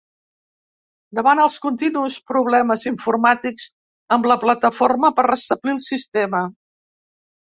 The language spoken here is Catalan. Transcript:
Davant els continus problemes informàtics amb la plataforma per restablir el sistema.